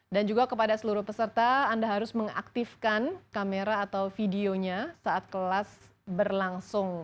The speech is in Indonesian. dan juga kepada seluruh peserta anda harus mengaktifkan kamera atau videonya saat kelas berlangsung